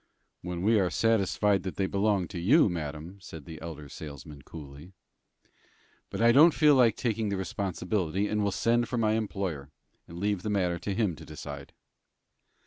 "When we are satisfied that they belong to you, madam," said the elder salesman, coolly. "I don't feel like taking the responsibility, but will send for my employer, and leave the matter to him to decide."